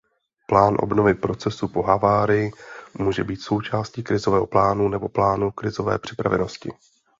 Plán obnovy procesu po havárii může být součástí krizového plánu nebo plánu krizové připravenosti.